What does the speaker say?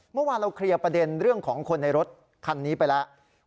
เมื่อวานเราเคลียร์ประเด็นเรื่องของคนในรถคันนี้ไปแล้ว